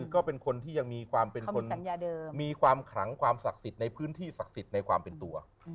เขามีทรัพย์ศักดิ์ในพื้นที่ศักดิ์สจิตในความเป็นตัว